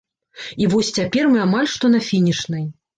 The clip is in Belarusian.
І вось цяпер мы амаль што на фінішнай.